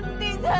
bu bu ibu